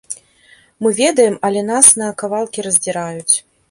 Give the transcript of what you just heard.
Мы ведаем, але нас на кавалкі раздзіраюць.